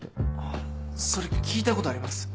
あっそれ聞いたことあります。